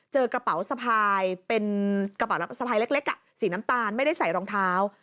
กระเป๋าสะพายเป็นกระเป๋าสะพายเล็กสีน้ำตาลไม่ได้ใส่รองเท้า